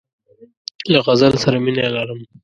له غزل سره مینه لرم.